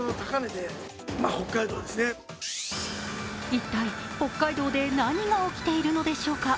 一体、北海道で何が起きているのでしょうか。